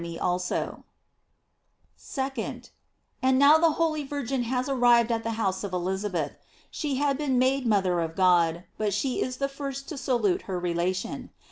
2d. And now the holy Virgin has arrived at the house of Elizabeth. She had been made mother of God , but she is the first to salute her relation.